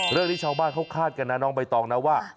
เรื่องนี้ชาวบ้านเขาคาดกันนะน้องใบตองนะว่า